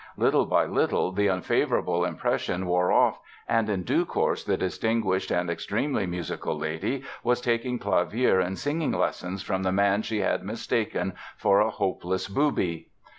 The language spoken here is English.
Little by little the unfavorable impression wore off and in due course the distinguished and extremely musical lady was taking clavier and singing lessons from the man she had mistaken for a hopeless booby.